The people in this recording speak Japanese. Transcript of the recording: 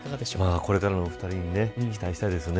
これからのお二人に期待したいですね。